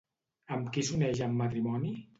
Amb qui s'uneix en matrimoni?